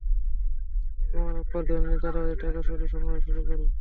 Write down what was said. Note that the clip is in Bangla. কুমারাপ্পার দৈনন্দিন চাঁদাবাজির টাকা গুরু সংগ্রহ করা শুরু করে।